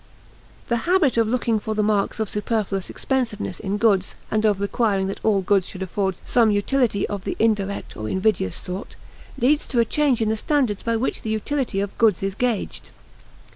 The habit of looking for the marks of superfluous expensiveness in goods, and of requiring that all goods should afford some utility of the indirect or invidious sort, leads to a change in the standards by which the utility of goods is gauged.